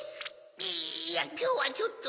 いやきょうはちょっと。